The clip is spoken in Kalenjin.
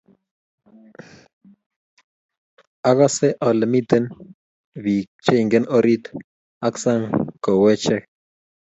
Akase ale mitei bik che ingen orit ak sang ko ache kochekoche